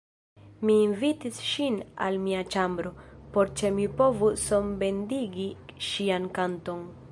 Mi invitis ŝin al mia ĉambro, por ke mi povu sonbendigi ŝian kanton.